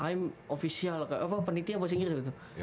i m official apa panitia apa singgir sebetulnya